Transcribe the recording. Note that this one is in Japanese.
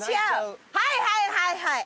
はいはいはいはい。